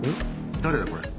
誰だこれ。